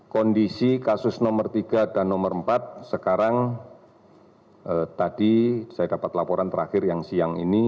kondisi kasus nomor tiga dan nomor empat sekarang tadi saya dapat laporan terakhir yang siang ini